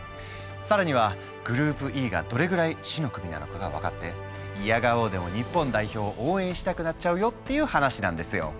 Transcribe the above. さらにはグループＥがどれぐらい死の組なのかが分かっていやがおうでも日本代表を応援したくなっちゃうよっていう話なんですよ。